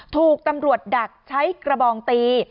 ถูกตำรวจดักใช้กระบองตี